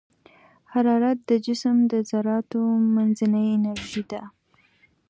حرارت د جسم د ذراتو منځنۍ انرژي ده.